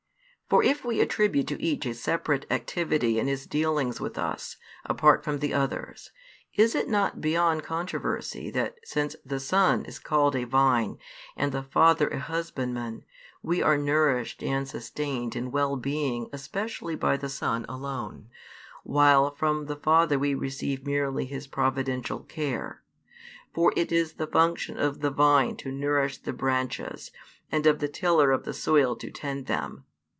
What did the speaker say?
For if we attribute to each a separate activity in His dealings with us, apart from the others, is it not beyond controversy that since the Son is called a Vine and the Father a Husbandman, we are nourished and sustained in well being especially by the Son alone, while from the Father we receive merely His providential care. For it is the function of the vine to nourish the branches, and of the tiller of the soil to tend them.